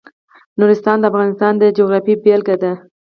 نورستان د افغانستان د جغرافیې بېلګه ده.